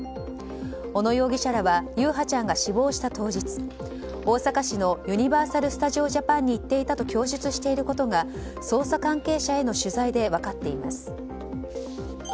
小野容疑者らは優陽ちゃんが死亡した当日大阪市のユニバーサル・スタジオ・ジャパンに行っていたと供述していることが捜査関係者への取材で分かっています。